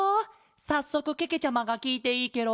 さっそくけけちゃまがきいていいケロ？